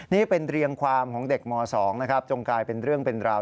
นี่เป็นเรียงความของเด็กม๒นะครับจงกลายเป็นเรื่องเป็นราว